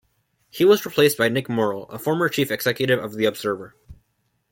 He was replaced by Nick Morrell, a former chief executive of The Observer.